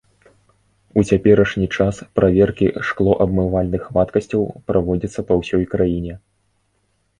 У цяперашні час праверкі шклоабмывальных вадкасцяў праводзяцца па ўсёй краіне.